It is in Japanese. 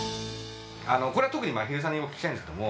これは特にまひるさんにお聞きしたいんですけれども。